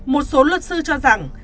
một số luật sư cho rằng